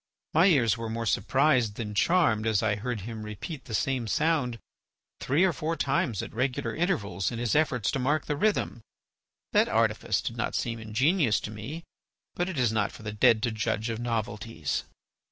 My ears were more surprised than charmed as I heard him repeat the same sound three or four times at regular intervals in his efforts to mark the rhythm. That artifice did not seem ingenious to me; but it is not for the dead to judge of novelties.